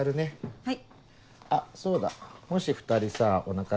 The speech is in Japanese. はい。